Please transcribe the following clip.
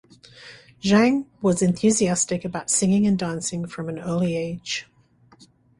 Zhang was enthusiastic about singing and dancing from an early age.